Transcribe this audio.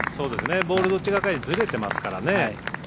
ボールどちらかにずれてますからね。